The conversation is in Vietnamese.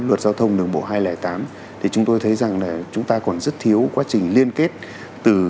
hệ thống đường bộ hai trăm linh tám thì chúng tôi thấy rằng là chúng ta còn rất thiếu quá trình liên kết từ